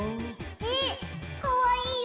えっかわいいよ。